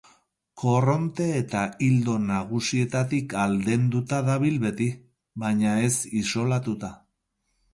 Korronte eta ildo nagusietatik aldenduta dabil beti, baina ez isolatuta.